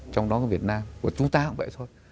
trong đó có việt nam của chúng ta cũng vậy thôi